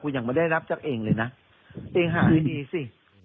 ยังไม่ได้รับจากเองเลยนะเองหาให้ดีสิ